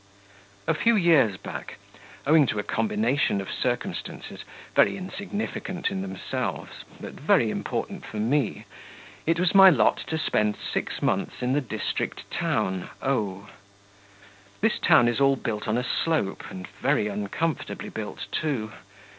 A few years back, owing to a combination of circumstances, very insignificant in themselves, but very important for me, it was my lot to spend six months in the district town O . This town is all built on a slope, and very uncomfortably built, too.